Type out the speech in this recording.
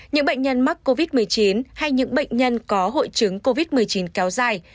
những bệnh nhân mắc covid một mươi chín hay những bệnh nhân có hội chứng covid một mươi chín kéo dài